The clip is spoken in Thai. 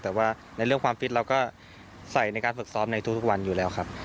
แต่ว่าในเรื่องความฟิตเราก็ใส่ในการฝึกซ้อมในทุกวันอยู่แล้วครับ